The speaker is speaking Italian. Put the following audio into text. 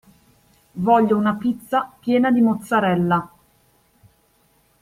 Voglio una pizza piena di mozzarella